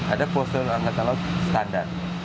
ada postur angkatan laut standar